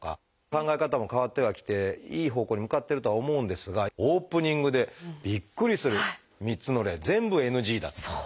考え方も変わってはきていい方向に向かってるとは思うんですがオープニングでびっくりする３つの例全部ＮＧだっていう。